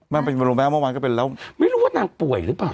ว่าแม่โกรธพี่หรือเปล่า